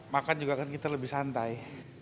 makan juga kan kita lebih santai